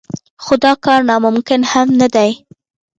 خو دا کار ناممکن هم نه دی.